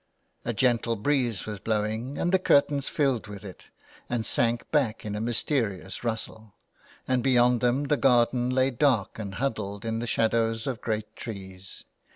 A gentle breeze was blowing and the curtains filled with it and sank back with a mysterious rustle. And beyond them the garden lay dark and huddled in the shadows of great trees.